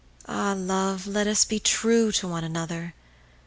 Ah, love, let us be trueTo one another!